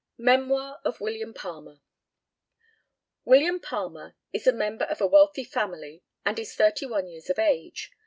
MEMOIR OF WILLIAM PALMER. William Palmer is a member of a wealthy family, and is thirty one years of age.